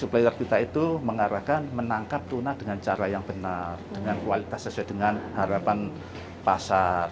supplier kita itu mengarahkan menangkap tuna dengan cara yang benar dengan kualitas sesuai dengan harapan pasar